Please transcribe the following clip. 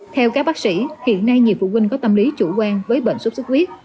theo các bác sĩ hiện nay nhiều phụ huynh có tâm lý chủ quan với bệnh suốt suốt huyết